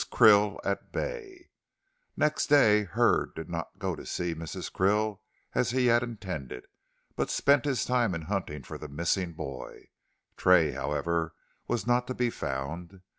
KRILL AT BAY Next day Hurd did not go to see Mrs. Krill as he had intended, but spent his time in hunting for the missing boy. Tray, however, was not to be found.